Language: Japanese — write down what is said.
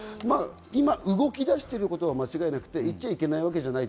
今、動き出していること間違いなくていっちゃいけないわけじゃない。